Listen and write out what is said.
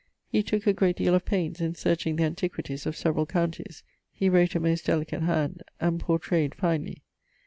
He tooke a great deale of paines in searching the antiquities of severall counties. He wrote a most delicate hand, and pourtrayed finely.